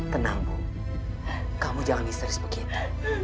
tenang ibu kamu jangan serius begitu